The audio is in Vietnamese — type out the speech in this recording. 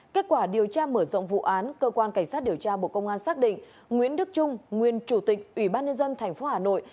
kết quả điều tra mở rộng vụ án cơ quan cảnh sát điều tra bộ công an xác định nguyễn đức trung nguyên chủ tịch ủy ban nhân dân tp hà nội